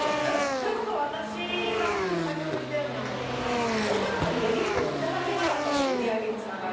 それこそ私は先ほど言ったように女の子のドリンクをいただけなかったので売り上げにつながる。